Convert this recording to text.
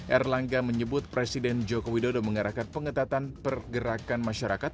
erlangga menyebut presiden joko widodo mengarahkan pengetatan pergerakan masyarakat